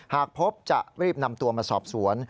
หากพบจะรีบนำตัวมาสอบสวน